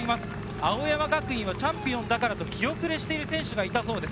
青山学院はチャンピオンだからと、気後れしている選手がいたそうです。